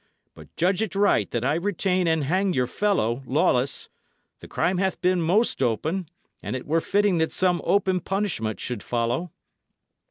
But judge it right that I retain and hang your fellow, Lawless. The crime hath been most open, and it were fitting that some open punishment should follow."